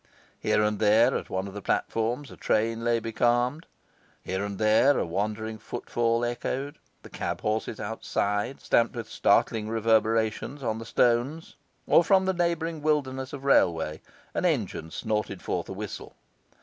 Here and there at one of the platforms, a train lay becalmed; here and there a wandering footfall echoed; the cab horses outside stamped with startling reverberations on the stones; or from the neighbouring wilderness of railway an engine snorted forth a whistle.